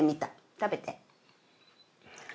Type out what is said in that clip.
食べて。